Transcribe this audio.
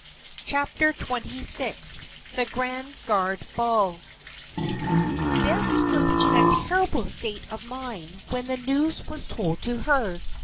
CHAPTER XXVI THE GRAND GUARD BALL Bess was in a terrible state of mind when the news was told to her.